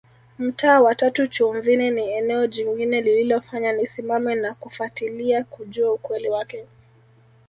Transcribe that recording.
Mtaa wa tatu Chumvini ni eneo jingine lililofanya nisimame na kufatilia kujua ukweli wake